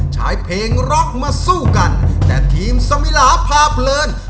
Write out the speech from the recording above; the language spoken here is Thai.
ใช้เพลงร็อกมาสู้กันแต่ทีมสมิลาพาเพลิน